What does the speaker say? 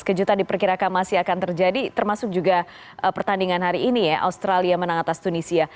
kejutan diperkirakan masih akan terjadi termasuk juga pertandingan hari ini ya australia menang atas tunisia